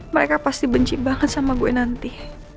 mereka pasti benci banget sama gue nanti